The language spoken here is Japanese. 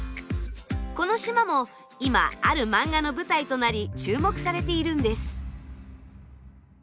この島も今ある漫画の舞台となり注目されているんです。